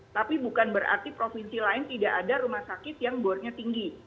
tapi bukan berarti provinsi lain tidak ada rumah sakit yang bornya tinggi